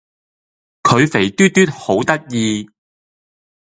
佢肥嘟嘟好得意